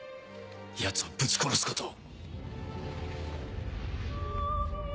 ヤツをぶち殺すことを。